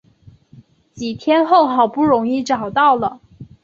几天后好不容易找到了